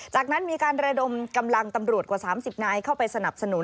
จากนั้นมีการระดมกำลังตำรวจกว่า๓๐นายเข้าไปสนับสนุน